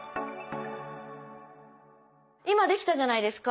今できたじゃないですか。